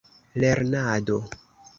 lernado